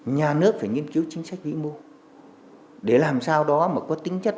nhà nước phải nghiên cứu chính sách vĩ mô để làm sao đó mà có tính chất